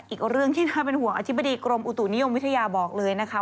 อีกเรื่องที่น่าเป็นห่วงอธิบดีกรมอุตุนิยมวิทยาบอกเลยนะคะ